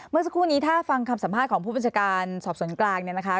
เมื่อสักครู่นี้ถ้าฟังคำสัมภาษณ์ของผู้บัญชาการสอบสวนกลางเนี่ยนะคะ